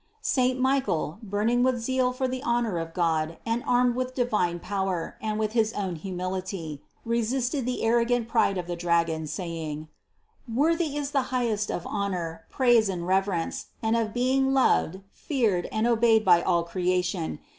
Saint Michael, burning with zeal for the honor of God and armed with divine power and with his own humility, resisted the arrogant pride of the dragon, saying: "Worthy is the Highest of honor, praise and reverence, and of being loved, feared and obeyed by all creation.